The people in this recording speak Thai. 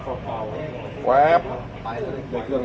สวัสดีครับทุกคน